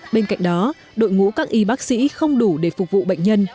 bên cạnh đó đội ngũ các y bác sĩ không đủ để phục vụ bệnh nhân